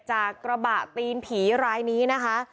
จากกระบะตีนผีรายนี้นะคะ